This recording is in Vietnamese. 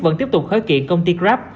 vẫn tiếp tục khởi kiện công ty grab